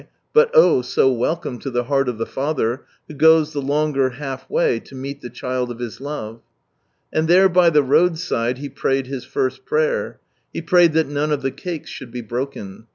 but oh i so welcome to the heart of the Father, who goes the longer half way to meet the child of His love. And there by the roadside he prayed his first prayer ; he prayed that none of the cakes should be broken.